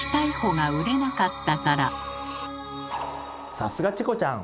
さすがチコちゃん！